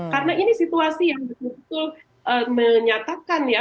karena ini situasi yang betul betul menyatakan ya